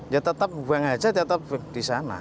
ya tetap buang aja tetap di sana